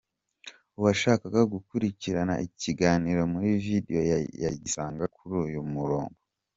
Uwashaka gukurikirana ikiganiro muri video yagisanga kuri uyu murongo.